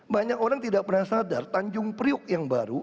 banyak orang tidak pernah sadar tanjung priuk yang baru